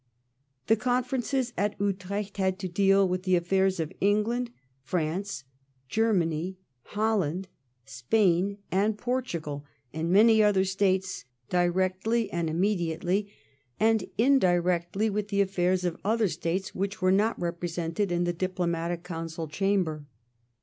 The conferences at Utrecht had to deal with the affairs of England, France, Germany, Holland, Spain, and Portugal, and many other States, directly and immediately ; and indirectly with the affairs of other States which were not represented in the diplomatic council chamber.